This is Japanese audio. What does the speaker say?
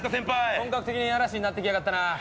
本格的に嵐になって来やがったな